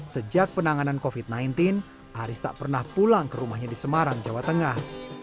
sejak penanganan covid sembilan belas aris tak pernah pulang ke rumahnya di semarang jawa tengah